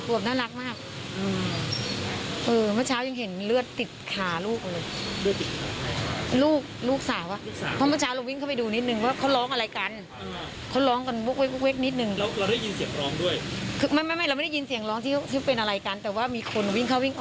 ก็เลยเข้าไปดูนิดนึงเผื่อช่วยอะไรเขาได้บ้าง